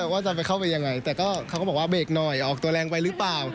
ว่าจะไปเข้าไปยังไงแต่เขาก็บอกว่าเบรกหน่อยออกตัวแรงไปหรือเปล่า